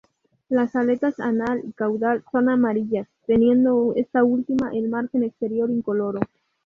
Las aletas anal y caudal son amarillas, teniendo esta última el margen exterior incoloro.